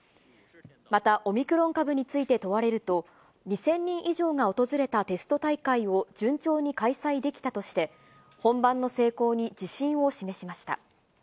また、オミクロン株について問われると、２０００人以上が訪れたテスト大会を順調に開催できたとして、本番の成功に自信を示しました。